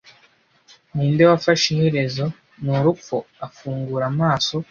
Ninde wafashe iherezo ni Urupfu. Afungura amaso